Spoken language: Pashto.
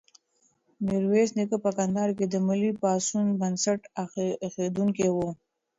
میرویس نیکه په کندهار کې د ملي پاڅون بنسټ ایښودونکی و.